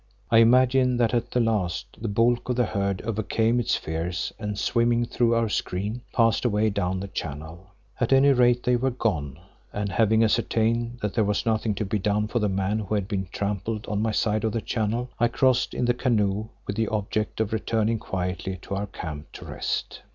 I imagine that at the last the bulk of the herd overcame its fears and swimming through our screen, passed away down the channel. At any rate they were gone, and having ascertained that there was nothing to be done for the man who had been trampled on my side of the channel, I crossed it in the canoe with the object of returning quietly to our camp to rest.